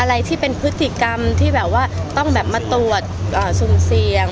อะไรที่เป็นพฤติกรรมที่แบบว่าต้องแบบมาตรวจสุ่มเสี่ยง